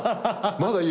まだいいよ。